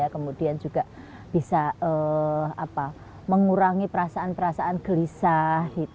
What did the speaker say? kemudian juga bisa mengurangi perasaan perasaan gelisah